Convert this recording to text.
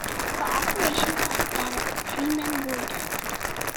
The operation cost "Donegal" three men wounded.